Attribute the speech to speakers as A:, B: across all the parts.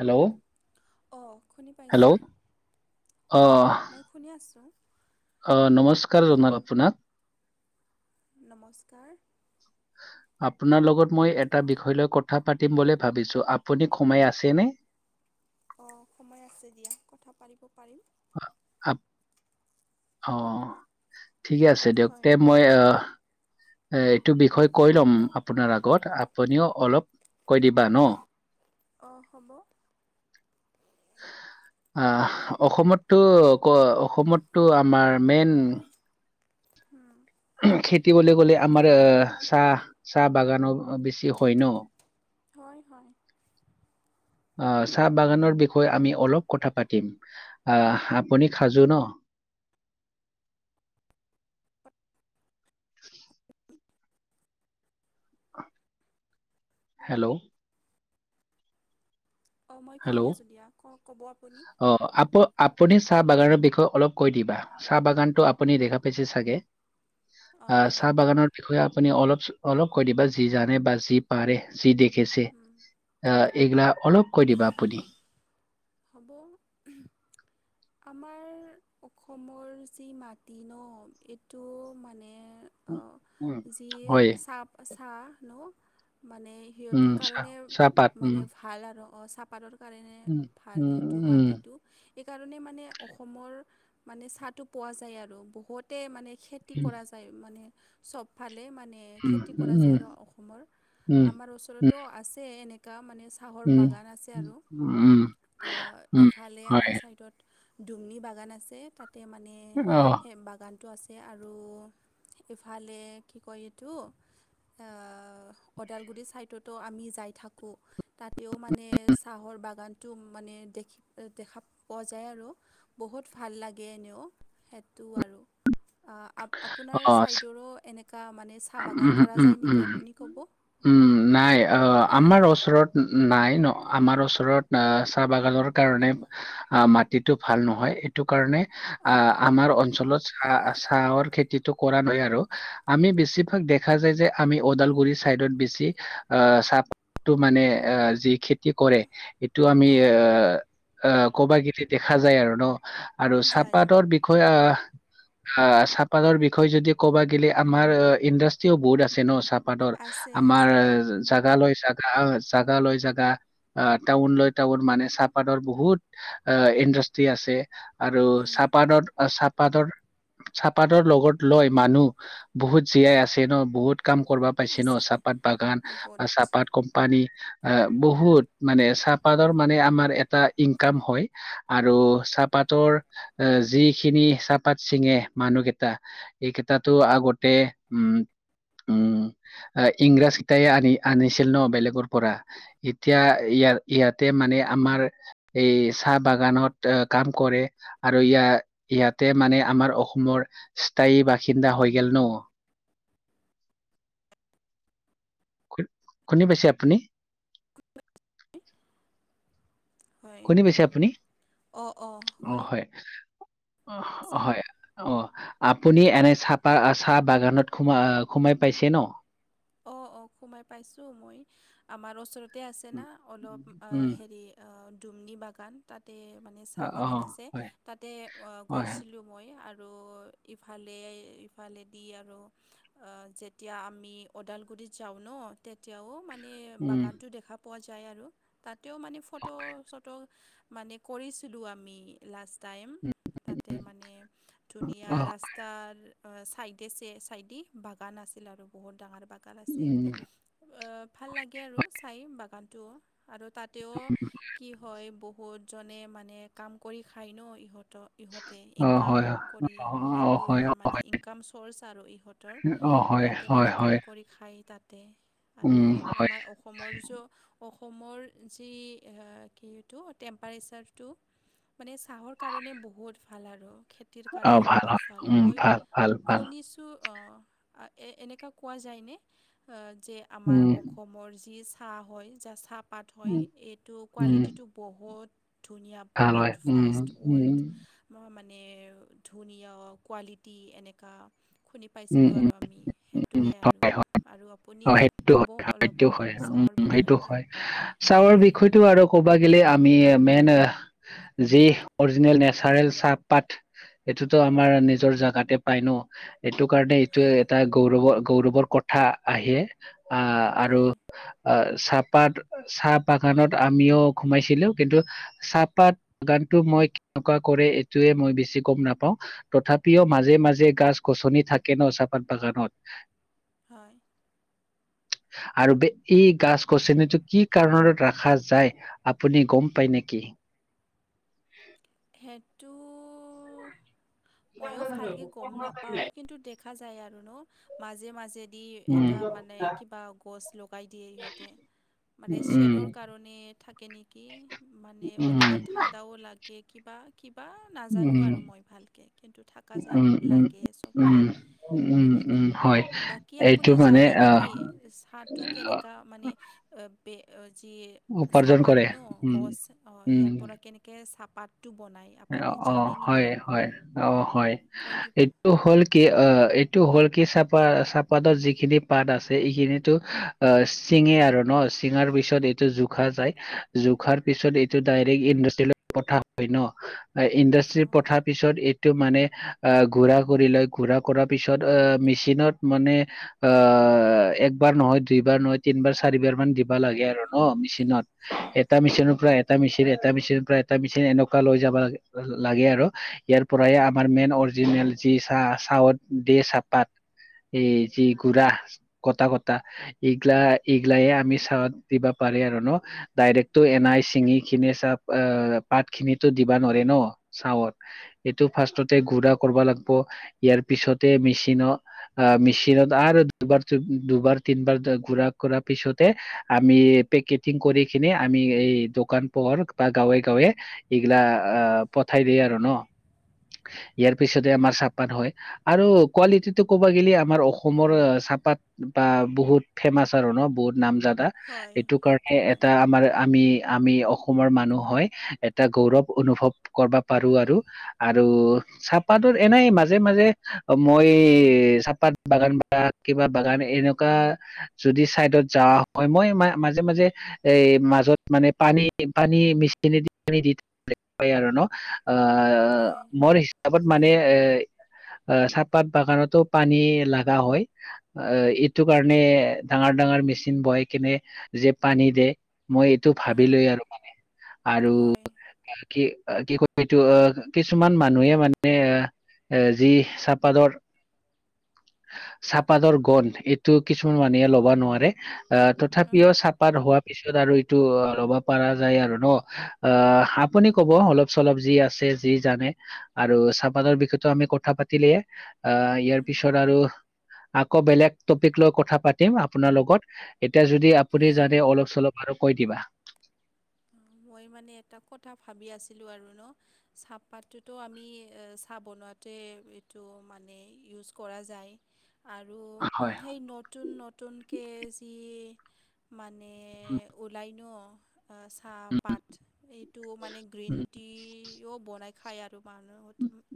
A: Hello
B: অ, শুনি
A: hello
B: পাইছো অ, মই শুনি আছোঁ।
A: অ, নমস্কাৰ জনাল আপোনাক।
B: নমস্কাৰ।
A: আপোনাৰ লগত মই এটা বিষয় লৈ কথা পাতিম বুলি ভাবিছো আপুনি সমাই আছেনে?
B: অ, সোমাই আছে দিয়া কথা পতিব পাৰিম।
A: আ, অ, ঠিকে আছে দিয়ক
B: হয়
A: তে মই আহ এ, এইটো বিষয়ে কৈ ল'ম আপোনাৰ আগত আপুনিও অলপ কৈ দিবা ন।
B: অঁ হ'ব ক'ব
A: আহ
B: আপুনি
A: অসমত তো ক অসমতো আমাৰ মেইন
B: উম।
A: খেতিবলে গ'লে আমাৰ আহ চাহ, চাহ বাগানো বেছি হয় ন।
B: হয়, হয়।
A: অ, চাহ বাগানৰ বিষয়ে আমি অলপ কথা পাতিম আহ আপুনি খাজু ন। হেল্ল'?
B: অ, মই
A: হেল্ল'
B: শুনি আছোঁ দিয়া ক, ক'ব আপুনি?
A: অ, আপ-আপুনি চাহ বাগানৰ বিষয়ে অলপ কৈ দিবা। চাহ বাগানটো আপুনি দেখা পাইছে চাগে।
B: অঁ
A: আহ,
B: হয়
A: চাহ বাগানৰ বিষয়ে আপুনি অলপ, অলপ কৈ দিবা যি জানে বা যি পাৰে যি দেখেছে
B: হুম,
A: আহ এইগিলা অলপ কৈ দিবা আপুনি।
B: হ'ব। আমাৰ অসমৰ যি মাটি ন এইটো মানে অ,
A: উম উম,
B: যি
A: হয়
B: চ আচাহ নো মানে
A: উম
B: সিহঁতৰ
A: চাহ
B: কাৰণে
A: চাহপাত উম
B: মানে ভাল আৰু অ, চাহপাতৰ কাৰণে ভাল
A: উম
B: সেইটো
A: উম
B: মাটিটো সকাৰণে মানে অসমৰ মানে চাহটো পোৱা যায় আৰু বহুতে মানে খেতি কৰা যায়। মানে চবফালে মানে
A: উম
B: খেতি কৰা যায়
A: উম
B: আৰু অসমৰ
A: উম উম
B: আমাৰ ওচৰত
A: উম
B: তটো আছে এনেককা মানে। চাহৰ
A: উম
B: বাগান আছে
A: উম
B: আৰু
A: উম উম উম,
B: ইফালে
A: হয়
B: আমাৰ ছাইডত। দুুমনি বাগান আছে তাতে মানে
A: অ
B: সেই বাগান টো আছে আৰু ইফালে কি কয় এইটো ওদালগুৰি ছাইডতো আমি যাই থাকোঁ। আকৌ তাতেও মানে চাহৰ বাগানটো মানে দেখি, দেখা পোৱা যায় আৰু বহুত ভাল লাগে এনেও সেইটো আৰু। আপোনাৰ
A: অ
B: চাদৰো এনেকা মানে চাহ
A: উম
B: বাগান কৰা
A: উম
B: যায়
A: উম
B: নেকি আপুনি ক'ব।
A: উম, নাই অ, আমাৰ ওচৰত নাই ন, আমাৰ ওচৰত চাহ বাগানৰ কাৰণে অ, মাটিতটো ভাল নহয় এইটো কাৰণে আহ
B: অঁ
A: আমাৰ অঞ্চলত চাহ চাহৰ খেতিটো কৰা নাই আৰু আমি বেছি। দেখা যায় যে আমি ওদালগুৰি চাইদত বেছি আহ চাহটো মানে আহ যি খেতি কৰে এইটো আমি
B: অঁ
A: এ আহ ক'বাকেইটি দেখা যায় আৰু ন আৰু
B: যায়
A: চাহপাতৰ বিষয়ে আহ আ চাহপাতৰ বিষয়ে যদি ক'বা গ'লে আমাৰ ইণ্ডাষ্ট্ৰিও বহুত আছে ন চ অ উৎপাদৰ
B: আছে
A: আমাৰ
B: আছে
A: জাগা লৈ চ জাগা লৈ জাগা অ টাউন লৈ টাউন মানে চাহপাতৰ বহুত অ ইণ্ডাষ্ট্ৰি আছে আৰু
B: উম,
A: চাহপাদ চাহপাতৰ চাহপাদৰ লগত লৈ মানুহ বহুত জীয়াই আছে ন বহুত কাম কৰিব পাইছে ন
B: আছে
A: চাহপাত বাগান বা চাহপাত
B: বহুত
A: কোম্পানী আহ বহুত মানে চাহপাতৰ মানে আমাৰ এটা ইনকাম হয় আৰু চাহপাতৰ এ যিখিনি চাহপাত চিঙে মানুহকেইটা এইকেইটাতো আগতেই উম উম আহ ইংৰাজ কেইটাই আনি আনিছিল ন বেলেগৰ পৰা এতিয়া ইয়াৰ ইয়াতে মানে আমাৰ এই চাহ বাগানত কাম কৰে আৰু ইয়াৰ ইয়াতে মানে আমাৰ অসমৰ স্থায়ী বাসিন্দা হৈ গল ন শুনি পাইছে আপুনি
B: হয়
A: শুনি পাইছে আপুনি?
B: অ অ শুনি
A: হয়
B: পাইছা
A: হয় অ আপুনি এনে চাহপা চাহ বাগানত সোমাই আহ সোমাই পাইছে ন
B: অঁ অঁ সোমাই পাইছোঁ মই আমাৰ ওচৰতে আছে
A: উম,
B: না অলপ
A: উম,
B: হেৰি দুমনি বাগান তাতে মানে চাহ
A: অ', অ,
B: বাগান আছে
A: হয়,
B: তাতে
A: হয়,
B: গৈছিলোঁ মই আৰু ইফালে ইফালেদি আৰু যেতিয়া আমি ওদালগুৰিত যাওঁ ন তেতিয়াও মানে
A: উম,
B: বাগানটো দেখা পোৱা যায় আৰু তাতেও মানে ফটো চটো মানে কৰিছিলোঁ আমি লাষ্ট টাইম তাতে
A: উম,
B: মানে ধুনীয়া
A: অ',
B: ৰাস্তাৰ চাইডে চ চাইডেই বাগান আছিল আৰু বহুত ডাঙৰ বাগান আছিল ভাল লাগে আৰু চাই বাগানটো আৰু তাতেও
A: উম।
B: কি হয় বহুত জনে মানে কাম কৰি খায় ন ইহঁতৰ ইহঁতে
A: অ
B: ইনকাম
A: হয়
B: কৰি
A: অ
B: এইটো
A: হয় অ
B: মানে
A: হয়
B: ইনকাম চৰ্চ আৰু ইহঁতৰ
A: অ হয় হয় হয়
B: খাই তাতে আৰু
A: উম হয়
B: আমাৰ অসমৰ অসমৰ য অসমৰ যি কিটো টেম্পাৰেচাৰটো মানে চাহৰ কাৰণে বহুত ভাল আৰু খ নিৰ
A: অ
B: কাৰনে বহুত
A: হয়
B: ভাল
A: উম
B: মই
A: ভাল ভাল ভাল
B: শুনিছো অ এই এনেকা পোৱা যায়নে যে আমাৰ
A: উম
B: অসমৰ যি চাহ হয় যা চাহ পাত হয়
A: উম
B: এইটো
A: উম
B: কোৱালিটিটো বহুত ধুনীয়া
A: ভাল
B: বহুত
A: হয় উম
B: ফাষ্টট
A: উম
B: ৱল্ড মানে ধুনীয়া কোৱালিটি এনেকা শুনি
A: উম
B: পাইছিলোঁ
A: উম
B: আৰু আমি সেই
A: উম
B: সেইটোৱে আৰু
A: হয় হয়
B: আৰু
A: অ
B: আপুনি
A: সেইটো
B: ক'ব
A: হয় সেইটো
B: অলপমান
A: হয় উম
B: চাহৰ বিষয়ে দি
A: সিটো আৰু ক'বা গলে আমি মেইন যি অৰিজিনেল নেচাৰেল চাহপাত সেইটোতো আমাৰ নিজৰ জাগাতে পাই ন এইটো কাৰণে এইটো
B: হয়
A: এটা গৌৰৱৰ গৌৰৱৰ কথা আহে আহ আৰু
B: হয়
A: আহ চাহপাত চাহ বাগানত আমিও সোমাইছিলো কিন্তু চাহপাত বাগানটো মই কেনেকুৱা কৰে এইটোৱে মই বেছি গম নাপাওঁ তথাপিও মাজে মাজে গাছ গছনি থাকে ন চাহপাত বাগানত
B: হয়
A: আৰু বে এই গাছ-গছনি টো কি কাৰনত ৰাখা যায় আপুনি গম পাই নেকি।
B: সেইটো ময়ো ভালকে গম নাপাওঁ। কিন্তু দেখা যায় আৰু ন মাজে, মাজে। দি
A: উম
B: এটা মানে কিবা গছ লগাই দিয়ে হিহঁতে। মানে
A: উম
B: শ্বেডৰ কাৰণে থাকে নেকি মানে
A: উম
B: অলপমান ঠাণ্ডাও লাগে কি'বা কিবা নাজানো
A: উম
B: আৰু মই ভালকে কিন্তু থাকা যায়
A: উম
B: আৰু
A: উম
B: লাগে চবতে।
A: উম উম
B: এনেকা
A: উম হয়
B: বাকী
A: এইটো
B: আপুনি
A: মানে
B: জানে
A: আহ
B: নেকি চাহটো কেনেকা? মানে যি
A: উপাৰ্জন
B: চাহপাত
A: কৰে
B: ন
A: উম
B: গছ
A: উম
B: ইয়াৰ পৰা কেনে কে চাহপাতটো বনায়। আপুনি
A: অ,
B: জানে
A: হয়,
B: নেকি
A: হয়, অ, হয়,
B: কৈ দিব
A: এই এইটো হ'ল কি অ, এইটো হ'ল কি চাপা, চাহপাতত যিখিনি পাত আছে এইখিনিতো অ, চিঙে আৰু ন, চিঙাৰ পিছত এইটো জোখা যায় জোখাৰ পিছত এইটো ডাইৰেক্ট ইণ্ডাষ্ট্ৰিলৈ পঠা হয় ন ইণ্ডাষ্ট্ৰিৰ
B: অঁ
A: পঠাত পিছত এইটো মানে আহ গুৰা কৰি লয় গুৰা কৰা পিছত অ, মেচিনত মানে অ, একবাৰ নহয়, দুইবাৰ নহয়, তিনিবাৰ, চাৰিবাৰ মান দিবা লাগে আৰু ন মেচিনত। এটা মেচিনৰ পৰা এটা মেচিন এটা মেচিনৰ পৰা এটা মেচিন এনেকুৱা লৈ যাবা লা লাগে আৰু ইয়াৰ পৰা আমাৰ মেইন অৰি জিনেল যি চাহ, চাহত দে চাহপাত এই যি গুৰা কটা-কটা এইগিলা, এইগিলাইে আমি চাহত দিবা পাৰি আৰু ন। ডাইৰেক্টটো এনাই চিঙি, খিনি চাপাত খিনিতো দিবা নোৱাৰে ন চাৱত। এইটো ফাৰ্ষ্টতে গুডৰা কৰবা লাগব ইয়াৰ পিছতে মেচিনত আহ মেচিনত আৰু দুবাৰ, দুবাৰ, তিনিবাৰ গুৰা কৰাৰ পিছতে আমি পেকেটিং কৰি কেনে আমি এই দোকান পোওৰ বা গাঁৱে, গাঁৱে এইগিলা আহ পঠাই দিয়ে আৰু ন ইয়াৰ পিছতে আমাৰ চাহপাত হয়। আৰু কোৱালিটিটো ক'ব গ'লে আমাৰ অসমৰ চাহপাত বা বহুত ফেমাচ আৰু ন বহুত নামজাত।
B: হয়
A: এইটো কাৰণে
B: সেইটো হয়
A: এটা আমাৰ আমি, আমি অসমৰ মানুহ হয় এ এটা গৌৰৱ অনুভৱ কৰবা পাৰো আৰু, আৰু চা হপাতত এনেই মাজে, মাজে মই চাহপাত বাগান বা কিবা বাগান এনেকুৱা যদি চাইডেত যাওঁ হয় মই ম, মাজে, মাজে এই মাজত মানে পানী, পানী মেচিনেদি আৰু ন,
B: হয়
A: আহ মোৰ হিচাপত মানে এ আহ চাহপাত বাগানতো পানী লাগা হয়। অ, এইটো কাৰণে ডাঙৰ, ডাঙৰ মেচিন বহাই কেনে যে পানী দে মই এইটো
B: উম,
A: ভাবিলো আৰু। আৰু
B: হয়
A: কি, কি, ক এইটো আহ কিছুমান মানুহে মানে আহ। এ, যি চাহপাতৰ চাহপাতৰ গন্ধ এইটো কিছুমান মানুহে ল'ব নোৱাৰে। আহ
B: উম,
A: তথাপিও চাহপাত হোৱা পিছত আৰু এইটো ল'ব পৰা যায় আৰু ন, অ'। আপুনি ক'ব অলপ, চলপ যি আছে যি জানে আৰু চাহপাতৰ বিষয়ো আমি কথা পাতিলেয়ে আহ ইয়াৰ
B: উম,
A: পিছত আৰু আকৌ বেলেগ টপিক লৈ কথা পাতিম আপোনাৰ লগত এতিয়া যদি আপুনি
B: হয়।
A: যাতে অলপ, চলপ আৰু কৈ দিবা।
B: অ, মই মানে এটা কথা ভাবি আছিলো আৰু ন। চাহপাতটোতো আমি চাহ বনোৱাতে এইটো মানে ইউজ কৰা যায়। আৰু
A: হয়
B: সেই নতুন, নতুনকে যি মানে মানে
A: উম
B: উওলাইন চাহ পাত এইটো মানে গ্ৰীণ
A: উম,
B: টিও বনাই খায় আৰু মানুহ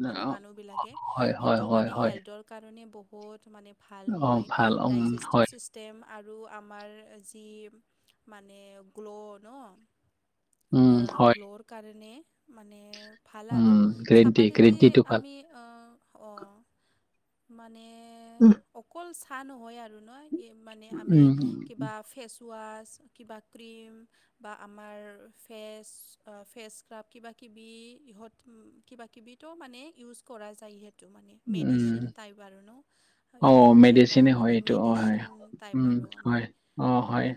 B: মানে
A: অ,
B: মানুহবিলাকে
A: হয় হয়
B: সেইটো
A: হয়
B: মানে
A: হয়
B: হেল্থৰ কাৰণে বহুত মানে ভাল
A: অ
B: হয়
A: ভাল উম
B: ডাইজেষ্টিভ
A: হয়
B: চিষ্ট ষ্টেম আৰু আমাৰ যি মানে গ্ল' ন
A: উম হয়
B: গ্ল'ৰ কাৰণে মানে ভাল
A: উম
B: আৰু
A: গ্ৰীণ টি গ্ৰীণ
B: চাহপাতেদি
A: টিটো ভাল
B: আমি মানে অকল চাহ নহয় আৰু নহ মানে আমি
A: উম উম
B: কিবা ফেচ চোৱাাচ কিবা ক্ৰীম বা আমাৰ ফেচ ফেচ স্ক্ৰাব কিবাকিবি ইহঁত কিবাকিবি তটো মানে ইউজ কৰা যায়হেঁতু এইটো মানে মেডিচিন
A: উম
B: টাইপ আৰু ন
A: অ
B: এইটো এটা
A: মেডিচিনে হয়
B: মানে
A: এইটো অ হয়
B: মেডিচিন তাই
A: উম
B: পাৰ আমি
A: হয় অ হয়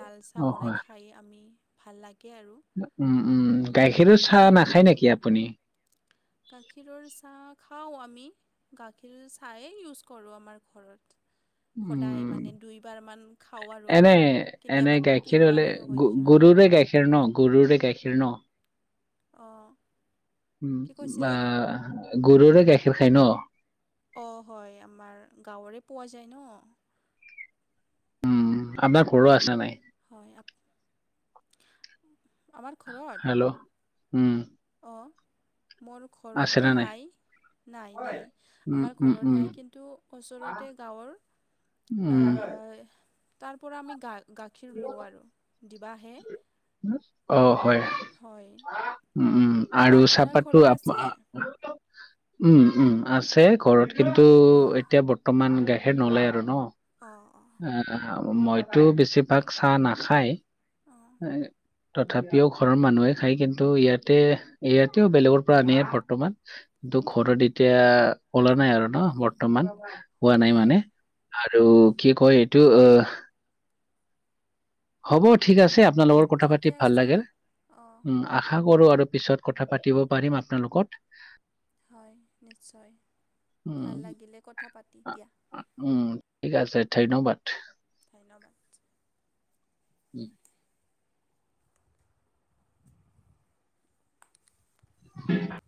B: লাল চাহ
A: অ
B: বনাই
A: হয়
B: খাই খাই আমি ভাল লাগে আৰু
A: উম উম
B: মানে
A: গাখীৰো চাহ
B: সেই
A: নাখায় নেকি আপুনি
B: গাখীৰৰ চাহ খাওঁ আমি গাখীৰ চায়েই ইউজ কৰোঁ আমাৰ ঘৰত স
A: উম
B: ম
A: লে গুৰুৰে গাখীৰ ন গুৰুৰে গাখীৰ ন
B: অঁ কি কৈছিলে
A: আহ গৰুৰে গাখীৰ খায় ন
B: অঁ হয় আমাৰ গাঁৱৰে পোৱা যায় ন
A: উম আপোনাৰ ঘৰো আছে নাই
B: হয় আ আমাৰ ঘৰত
A: হেল্ল' উম
B: অঁ মোৰ
A: আছে
B: ঘৰততো
A: না
B: নাই নাই নাই
A: উম
B: আমাৰ
A: উম
B: ঘৰত
A: উম
B: নাই কিন্তু ওচৰতে গাঁৱৰ
A: উম
B: তাৰ পৰা আমি গাখীৰ লওঁ আৰু দিবে
A: অ হয়
B: হয়
A: উ উম আৰু
B: আপোনাৰ
A: চাহপাতো
B: ঘৰত
A: আ
B: আছে?
A: উম উম আছে ঘৰত কিন্তু এতিয়া বৰ্তমান গাখীৰ নললে আৰু ন
B: অঁ অঁ
A: আহ মইতো বেছিভাগ চাহ নাখায়
B: অঁ
A: তথাপিও ঘৰৰ মানুহে খায় কিন্তু ইয়াতে ইয়াতেও বেলেগৰ পৰা আনিয়ে বৰ্তমান কিন্তু ঘৰত এতিয়া পলা নাই আৰু ন ব বৰ্তমান হোৱা নাই
B: হয়
A: মানে আৰু কি কয় এইটো অ হ'ব ঠিক আছে আপোনালোকৰ কথা
B: ঠিকে
A: পাতি ভাল
B: আছে।
A: লাগে
B: অঁ
A: উম আশা কৰো আৰু পিছত কথা পাতিব পাৰিম আপোনালোকত
B: হয় নিশ্চয় ভাল লাগিলে কথা পাতি দিয়া
A: উ ঠিক আছে ধন্যবাদ
B: ধন্যবাদ
A: উম হয়